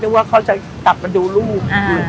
เดาว่าเขาจะกลับดูลูก